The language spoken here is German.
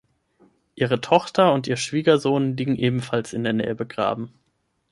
Ihre Tochter und ihr Schwiegersohn liegen ebenfalls in der Nähe begraben.